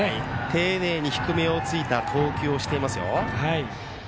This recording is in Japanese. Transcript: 丁寧に低めを突いた投球をしていますよ。